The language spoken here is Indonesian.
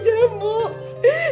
di bawah pohon